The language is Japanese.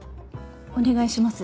お願いします